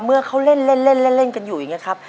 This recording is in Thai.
เมื่อเขาเล่นเล่นกันอยู่อย่างนี้ครับ